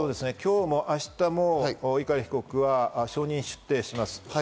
今日も明日も碇被告は証人出廷します。